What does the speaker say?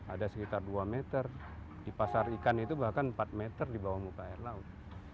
ada sekitar dua meter di pasar ikan itu bahkan empat meter di bawah muka air laut